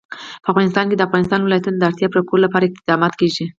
په افغانستان کې د د افغانستان ولايتونه د اړتیاوو پوره کولو لپاره اقدامات کېږي.